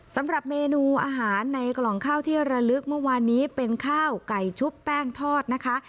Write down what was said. สำหรับเมนูอาหารในกล่องข้าวที่ระลึกเมื่อวานนี้เป็นข้าวไก่ชุบแป้งทอดนะคะ